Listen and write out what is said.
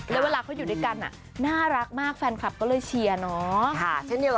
แล้วเวลาเขาอยู่ด้วยกันน่ารักมากแฟนคลับก็เลยเชียร์เนาะ